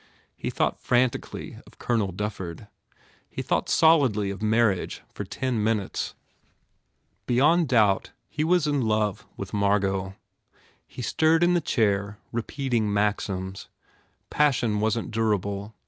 He thought frantically of Colonel Dufford. He THE FAIR REWARDS thought solidly of marriage for ten minutes. Beyond doubt he was in love with Margot. He stirred in the chair, repeating maxims. Passion wasn t durable.